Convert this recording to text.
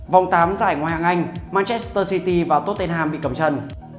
vòng tám giải ngoại hạng anh manchester city và tottenham bị cầm chân